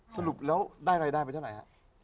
สรุปแล้วได้รายได้ไปเท่าไหร่ฮะ